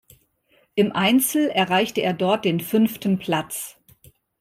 Im Einzel erreichte er dort den fünften Platz.